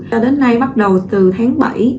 cho đến nay bắt đầu từ tháng bảy